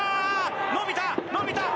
伸びた、伸びた！